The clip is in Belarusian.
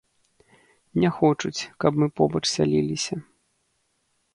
Не хочуць, каб мы побач сяліліся.